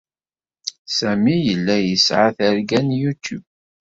Sami yella yesɛa targa n YouTube.